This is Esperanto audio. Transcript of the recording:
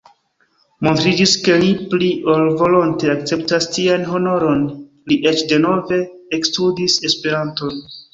Montriĝis ke li pli ol volonte akceptas tian honoron: li eĉ denove ekstudis Esperanton.